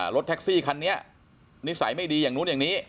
รถแท็กซี่คันนี้นิสัยไม่ดีอย่างนู้นอย่างนี้